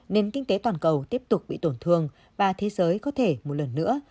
nền kinh tế toàn cầu tiếp tục bị tổn thương và thế giới có thể một lần nữa